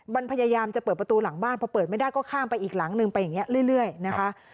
มันพยายามจะเปิดประตูหลังบ้านพอเปิดไม่ได้ก็ข้ามไปอีกหลังนึงไปอย่างนี้เรื่อยนะคะ